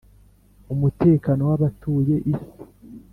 umutekano w abatuye isi